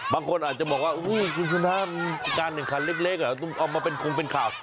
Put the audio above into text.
บางคนอาจจะบอกว่าคุณชนะการแข่งขันเล็กต้องเอามาเป็นคงเป็นข่าว